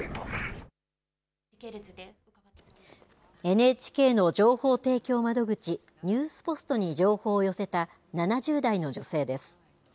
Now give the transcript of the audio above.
ＮＨＫの情報提供窓口、ニュースポストに情報を寄せた、７０代の女性です。